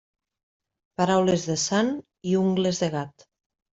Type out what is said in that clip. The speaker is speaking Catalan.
Paraules de sant i ungles de gat.